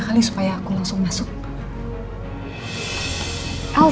apalagi siapa yang ini menawarkan kepadaku